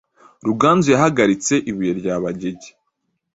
Ruganzu yahagaritse ibuye rya Bagege